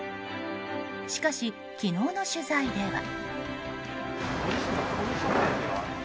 しかし、昨日の取材では。